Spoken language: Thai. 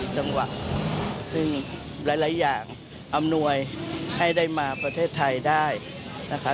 จังหวะซึ่งหลายอย่างอำนวยให้ได้มาประเทศไทยได้นะคะ